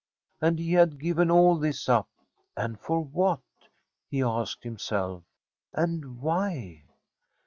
And he had given all this up, and for what, he asked himself, and why?